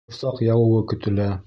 Борсаҡ яуыуы көтөлә